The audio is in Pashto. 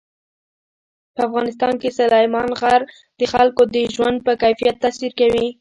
په افغانستان کې سلیمان غر د خلکو د ژوند په کیفیت تاثیر کوي.